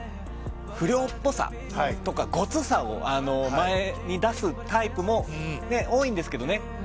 不良っぽさとかごつさを前に出すタイプも多いんですけどね。